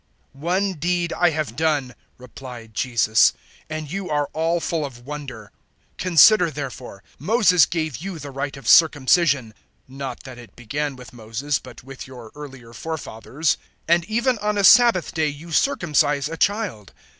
007:021 "One deed I have done," replied Jesus, "and you are all full of wonder. 007:022 Consider therefore. Moses gave you the rite of circumcision (not that it began with Moses, but with your earlier forefathers), and even on a Sabbath day you circumcise a child.